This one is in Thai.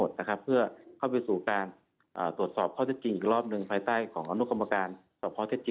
แบบบันทึกคนไข้